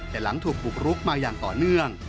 แต่หลังถูกบุกรุกมาอย่างต่อเนื่อง